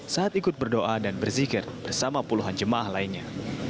saat ikut berdoa dan berzikir bersama puluhan jemaah lainnya